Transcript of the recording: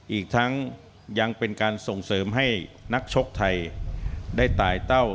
อีกทั้งยังเป็นการส่งเสริมให้นักชกไทยได้ตายเต้า